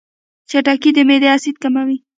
خټکی د معدې اسید کموي.